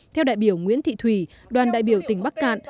theo đại biểu nguyễn thị thủy đoàn đại biểu tỉnh bắc cạn